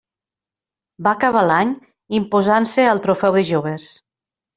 Va acabar l'any imposant-se al Trofeu de Joves.